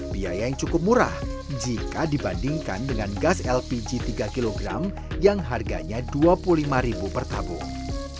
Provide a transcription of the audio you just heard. biaya yang cukup murah jika dibandingkan dengan gas lpg tiga kg yang harganya rp dua puluh lima per tabung